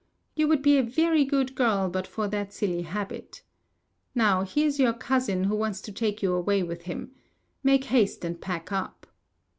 You would be a very good girl but for that silly habit. Now, here's your cousin, who wants to take you away with him. Make haste and pack up."